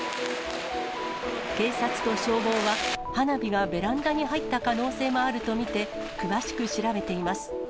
警察と消防は、花火がベランダに入った可能性もあると見て、詳しく調べています。